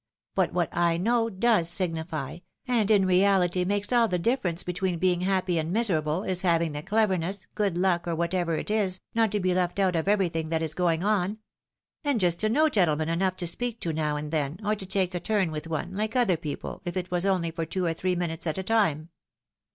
But what I know does signify, and in reality makes all the difference between being happy and miserable, is having the cleverness, good luck, or whatever it is, not to be left out of everything that is going on ; and just to know gentlemen enough to speak to now and then, or to take a turn with one, hke other people, if it was only for two or three minutes at a time." AK OLD MAID AND A YOUNGEK ONE.